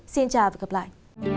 xin chào và gặp lại